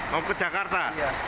mau ke jakarta